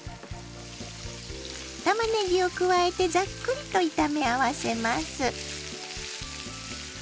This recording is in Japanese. たまねぎを加えてざっくりと炒め合わせます。